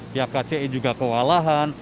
pihak kci juga kewalahan